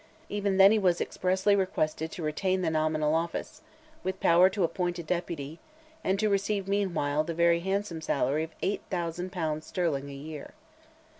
Even then he was expressly requested to retain the nominal office, with power to appoint a deputy, and receive meanwhile the very handsome salary of 8,000 pounds sterling a year.